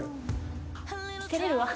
照れるわ。